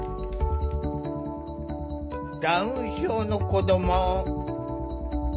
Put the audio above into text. ダウン症の子ども。